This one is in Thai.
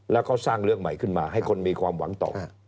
แล้วก็สร้างเรื่องใหม่ขึ้นมาให้คนมีความหวังต่อ